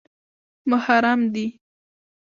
_محرم دي؟